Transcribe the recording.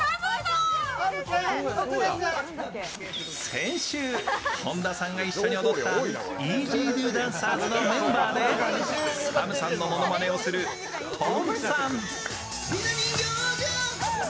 先週、本田さんが一緒に踊ったイージードゥダンサーズのメンバーでＳＡＭさんのものまねをするＴＯＫＵさん。